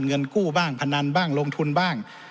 เงินกู้บ้างพนันบ้างลงทุนบ้าง